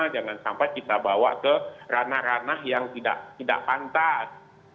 jangan sampai kita bawa ke ranah ranah yang tidak pantas